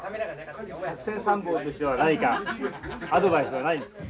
作戦参謀としては何かアドバイスはないんですか？